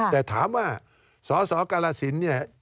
แต่ถามว่าสสกรศิลป์เนี่ย